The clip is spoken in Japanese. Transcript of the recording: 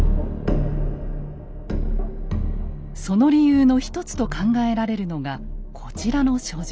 その理由の一つと考えられるのがこちらの書状。